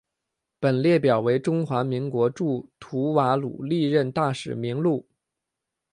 本列表为中华民国驻吐瓦鲁历任大使名录。